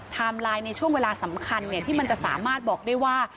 ไลน์ในช่วงเวลาสำคัญที่มันจะสามารถบอกได้ว่า